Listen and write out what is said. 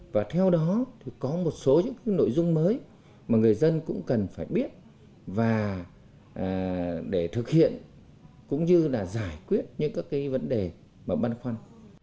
và theo đó thì có một số những nội dung mới mà người dân cũng cần phải biết và để thực hiện cũng như là giải quyết những các cái vấn đề mà băn khoăn